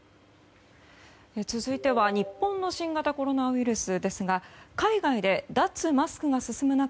続いては日本の新型コロナウイルスですが海外で脱マスクが進む中